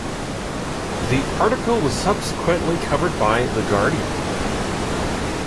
The article was subsequently covered by "The Guardian".